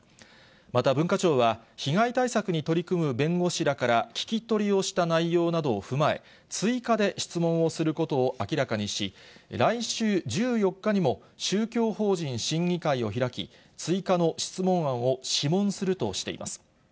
また文化庁は、被害対策に取り組む弁護士らから聞き取りをした内容などを踏まえ、追加で質問をすることを明らかにし、来週１４日にも、宗教法人審議会を開き、追加の質問案を諮問するとしています。